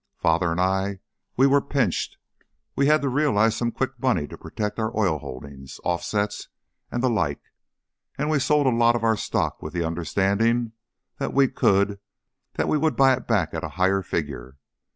Father and I were we were pinched. We had to realize some quick money to protect our oil holdings offsets and the like and we sold a lot of our stock with the understanding that we could that we would buy it back at a higher figure.